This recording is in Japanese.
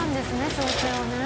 調整をね。